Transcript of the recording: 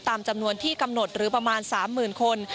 ตามจำนวนที่กำหนดหรือประมาณ๓๐๐๐คน